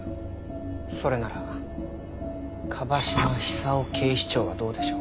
それなら椛島寿夫警視長はどうでしょう？